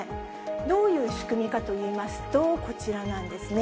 どういう仕組みかといいますと、こちらなんですね。